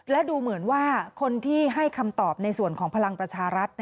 และดูเหมือนว่าคนที่ให้คำตอบในส่วนของพลังประชารัฐ